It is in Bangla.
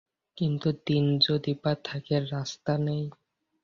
কিন্তু দিন যদি বা থাকে, রাস্তা নেই।